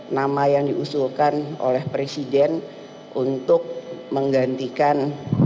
nama yang diusulkan oleh presiden untuk menggantikan